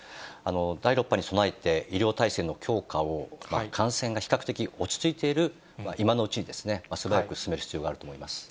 第６波に備えて医療体制の強化を感染が比較的落ち着いている今のうちに、素早く進める必要があると思います。